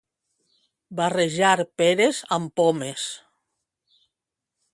Barrejar peres amb pomes.